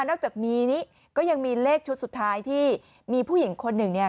นอกจากนี้ก็ยังมีเลขชุดสุดท้ายที่มีผู้หญิงคนหนึ่งเนี่ย